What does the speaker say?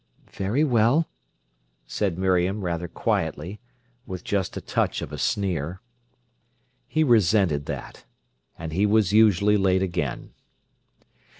"Very well!" said Miriam, rather quietly, with just a touch of a sneer. He resented that. And he was usually late again.